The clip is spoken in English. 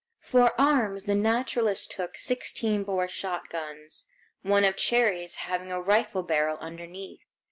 For arms the naturalists took 16 bore shotguns, one of Cherrie's having a rifle barrel underneath.